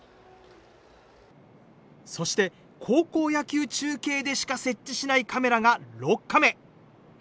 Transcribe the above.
そして、高校野球中継でしか設置しないカメラが６カメ。